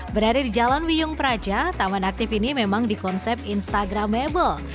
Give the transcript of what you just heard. berada di jalan wiyung praja taman aktif ini memang di konsep instagramable